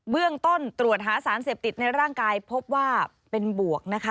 เรื่องต้นตรวจหาสารเสพติดในร่างกายพบว่าเป็นบวกนะคะ